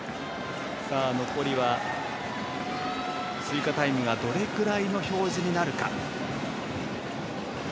残りは追加タイムがどれぐらいの表示になるか。